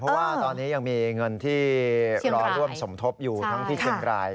เพราะว่าตอนนี้ยังมีเงินที่รอร่วมสมทบอยู่ทั้งที่เชียงราย